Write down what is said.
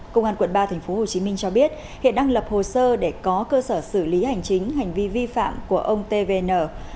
công an quận ba tp hcm cho biết hiện đang lập hồ sơ để có cơ sở xử lý hành chính hành vi vi phạm của ông tvn